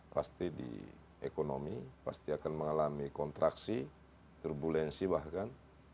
pasti di ekonomi pasti akan mengalami kontraksi turbulensi bahkan